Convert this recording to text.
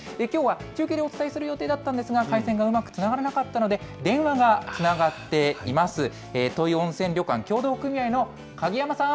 きょうは中継でお伝えする予定だったんですが、回線がうまくつながらなかったので、電話がつながっています。